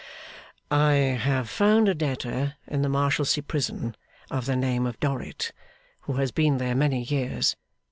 'I have found a debtor in the Marshalsea Prison of the name of Dorrit, who has been there many years.